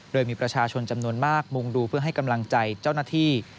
โดยมีประชาชนจำนวนมากมุงดูเพื่อให้กำลังใจเจ้าหน้าที่